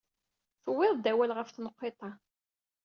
Tuwyed-d awal ɣef tenqiḍt-a.